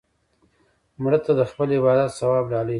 مړه ته د خپل عبادت ثواب ډالۍ کړه